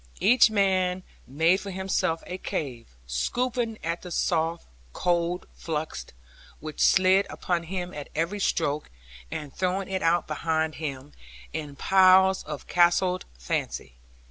Each man made for himself a cave, scooping at the soft, cold flux, which slid upon him at every stroke, and throwing it out behind him, in piles of castled fancy.